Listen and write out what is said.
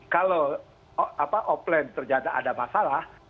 kalau offline ternyata ada masalah